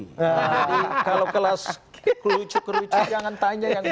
jadi kalau kelas kerucut kerucut jangan tanya yang itu